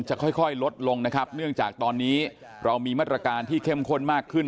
ค่อยค่อยลดลงนะครับเนื่องจากตอนนี้เรามีมาตรการที่เข้มข้นมากขึ้น